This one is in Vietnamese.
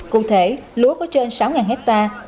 cụ thể lúa có trên sáu hectare